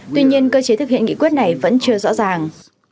tuy nhiên cơ chế thực hiện nghị quyết này vẫn chưa rõ ràng